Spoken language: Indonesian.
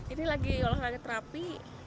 ini lagi olahraga terapi